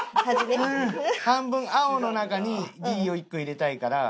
半分青の中に「Ｄ」を１個入れたいから。